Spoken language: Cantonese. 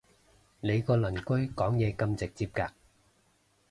你個鄰居講嘢咁直接嘅？